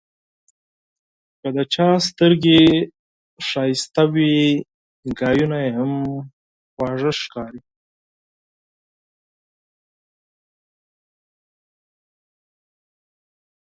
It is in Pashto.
که د چا سترګې ښایسته وي، خبرې یې هم خوږې ښکاري.